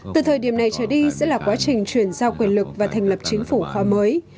từ thời điểm này trở đi sẽ là quá trình chuyển giao quyền lực và thành lập chính phủ khóa mới